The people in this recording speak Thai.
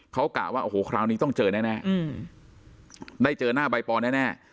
เขากะว่าโอ้โหคราวนี้ต้องเจอแน่ได้เจอหน้าใบปอนแน่